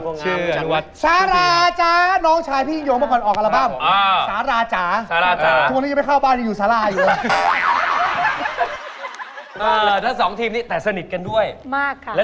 เพราะมีเงินรางวันมา